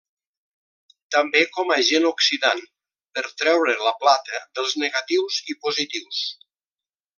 També com agent oxidant per treure la plata dels negatius i positius.